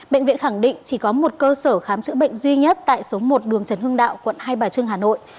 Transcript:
bệnh viện khẳng định chỉ có một cơ sở khám chữa bệnh duy nhất tại số một đường trần hưng đạo quận hai bà trưng hà nội